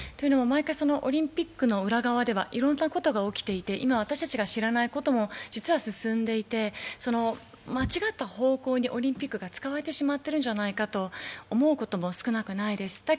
毎回オリンピックの裏側ではいろいろなことが起きていて、今、私たちが知らないことも実は進んでいて、間違った方向にオリンピックが使われてしまっているんじゃないかと思うことも少なくないです。